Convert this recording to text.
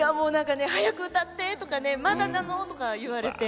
早く歌ってとかまだなの？とか言われて。